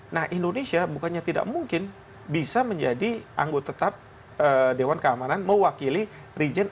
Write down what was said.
nah indonesia bukannya tidak mungkin bisa menjadi anggota tetap dewan keamanan mewakili region